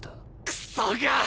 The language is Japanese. クソが！